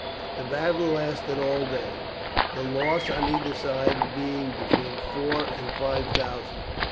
The battle lasted all day, the loss on either side being between four and five thousand.